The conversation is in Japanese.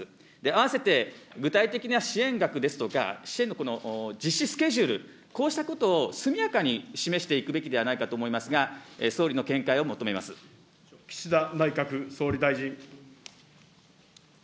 合わせて、具体的な支援額ですとか、支援のこの実施スケジュール、こうしたことを速やかに示していくべきではないかと思いますが、岸田内閣総理大臣。